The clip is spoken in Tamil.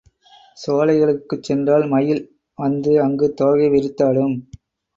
சோலைகளுக்குச் சென்றால் மயில்கள் வந்து அங்குத் தோகை விரித்தாடும்.